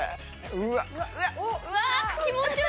うわ！